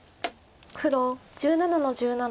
黒１７の十七。